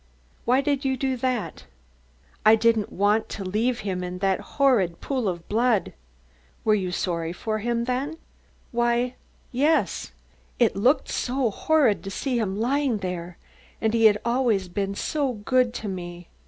"Why did you do that?" "I didn't want to leave him in that horrid pool of blood." "You were sorry for him then?" "Why, yes; it looked so horrid to see him lying there and he had always been so good to me.